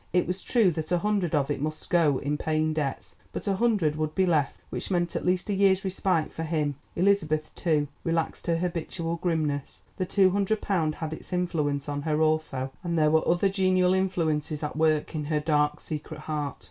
It was true that a hundred of it must go in paying debts, but a hundred would be left, which meant at least a year's respite for him. Elizabeth, too, relaxed her habitual grimness; the two hundred pounds had its influence on her also, and there were other genial influences at work in her dark secret heart.